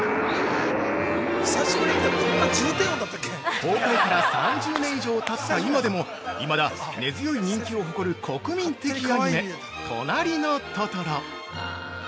◆公開から３０年以上たった今でもいまだ根強い人気を誇る国民的アニメ「となりのトトロ」